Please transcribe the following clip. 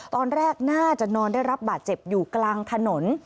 ตอนแรกน่าจะนอนได้รับบาดเจ็บอยู่กลางถนน